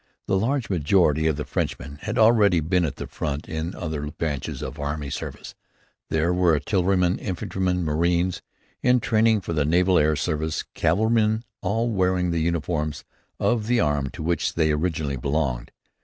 The large majority of the Frenchmen had already been at the front in other branches of army service. There were artillerymen, infantrymen, marines, in training for the naval air service, cavalrymen, all wearing the uniforms of the arm to which they originally belonged.